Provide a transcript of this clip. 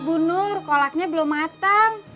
bu nur kolaknya belum matang